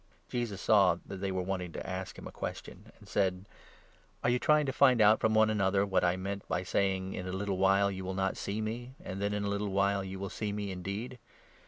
Jesus saw that they were wanting to ask him a question, and 19 said : "Are you trying to find out from one another what I meant by saying ' In a little while you will not see me ; and then in a little while you will see me indeed'?